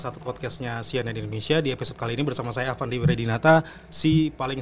satu podcastnya cnn indonesia di episode kali ini bersama saya avandi weredinata si paling